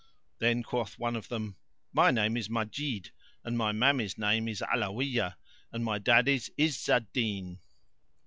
Then quoth one of them, "My name is Majid and my mammy's name is Alawiyah and my daddy's Izz al Din."